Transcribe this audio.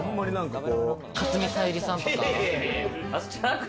かつみさゆりさんとか？